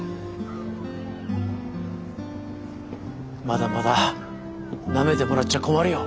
まだまだなめてもらっちゃ困るよ。